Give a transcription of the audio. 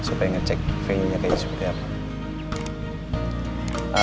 supaya ngecek venue nya kayak seperti apa